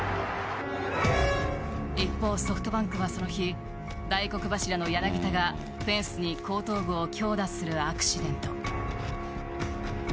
一方、ソフトバンクはその日大黒柱の柳田がフェンスに後頭部を強打するアクシデント。